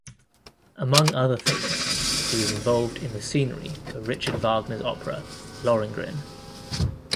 Among other things he was involved in the scenery for Richard Wagner's opera "Lohengrin".